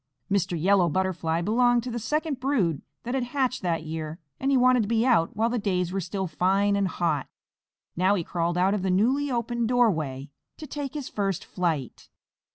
Mr. Yellow Butterfly belonged to the second brood that had hatched that year and he wanted to be out while the days were still fine and hot. Now he crawled out of the newly opened doorway to take his first flight.